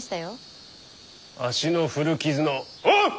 足の古傷のホウ！